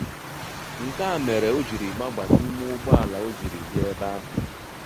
Nke a mere o jiri gbaba n’ịme ụgbọala o jiri bia ebe ahụ